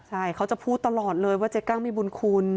ใช่เขาจะพูดตลอดเลยว่าเจ๊กั้งมีบุญคุณ